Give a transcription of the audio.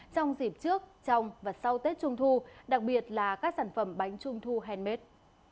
trong dịp trước trong và sau tết trung thu đặc biệt là các sản phẩm bánh trung thu handmade